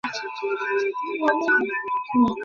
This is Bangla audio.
অন্তঃত পোষাক পরে নিও।